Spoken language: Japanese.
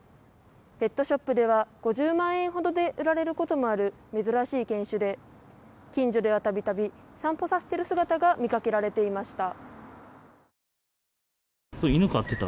ペットショップでは５０万円ほどで売られることもある珍しい犬種で近所では度々散歩させていする姿が見かけられていました。